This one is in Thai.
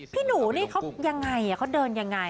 พี่หนูนี่เขายังไงเขาเดินยังไง